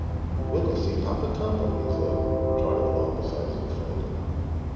"We'll go see Papa Tompum," he said, trotting along beside his new friend.